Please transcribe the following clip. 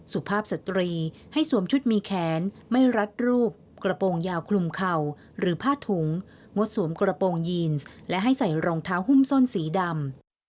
สุภาพสตรีให้สวมชุดมีแขนไม่รัดรูปกระโปรงยาวคลุมเข่าหรือผ้าถุงงดสวมกระโปรงยีนและให้ใส่รองเท้าหุ้มส้นสีดำ